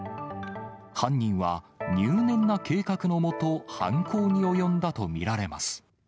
犯人は入念な計画のもと、犯行に及んだと見られます。